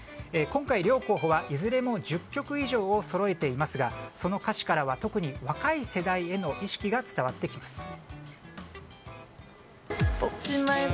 今回、両候補はいずれも１０曲以上をそろえていますがその歌詞からは特に若い世代への意識が伝わってきます。